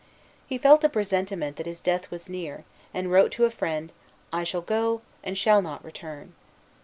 He felt a presentiment that his death was near, and wrote to a friend, "I shall go, and shall not return."